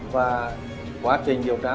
và quá trình điều tra